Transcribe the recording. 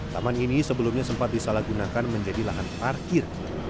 taman ini sebelumnya sempat disalahgunakan menjadi lahan parkir